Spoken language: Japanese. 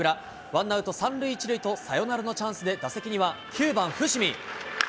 ワンアウト３塁１塁と、サヨナラのチャンスで打席には９番伏見。